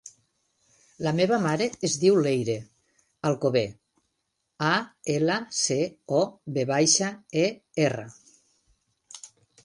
La meva mare es diu Leire Alcover: a, ela, ce, o, ve baixa, e, erra.